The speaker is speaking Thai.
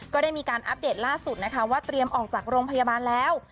ก็ได้มีการอัปเดตล่าสุดนะคะว่าเตรียมออกจากโรงพยาบาลแล้ว